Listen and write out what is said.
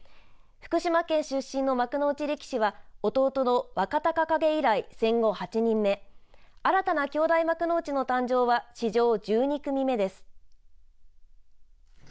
福島県出身の幕内力士は弟の若隆景以来、戦後８人目新たな兄弟幕内の誕生は史上１２組目です。